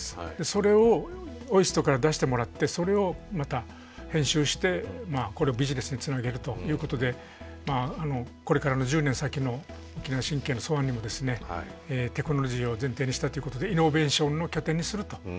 それをＯＩＳＴから出してもらってそれをまた編集してこれをビジネスにつなげるということでこれからの１０年先の沖縄振計の草案にもテクノロジーを前提にしたということでイノベーションの拠点にするということをうたわれています。